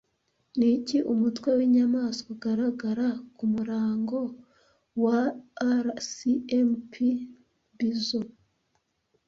Niki umutwe winyamanswa ugaragara kumurango wa RCMP Bison